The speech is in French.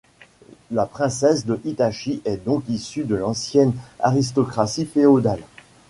La princesse de Hitachi est donc issue de l'ancienne aristocratie féodale.